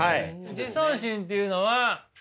自尊心というのは。